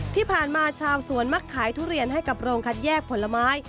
ที่ผ่านมาชาวสวนมักขายทุเรียนให้กับโรงคัดแยกผลไม้